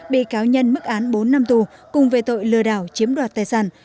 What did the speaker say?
bị cáo nhân mức án bốn năm tù cùng về tội lừa đảo chiếm đoạt tài sản